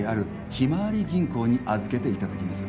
ひまわり銀行に預けていただきます